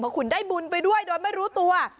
คุณได้บุญไปด้วยโดยไม่รู้ตัว